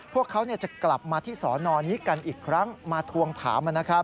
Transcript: พวกเขาจะกลับมาที่สอนอนี้กันอีกครั้งมาทวงถาม